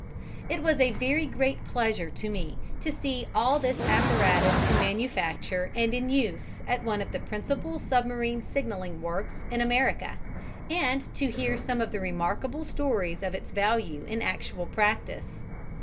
It was a very great pleasure to me to see all this apparatus in manufacture and in use at one of the principal submarine signalling works in America and to hear some of the remarkable stories of its value in actual practice.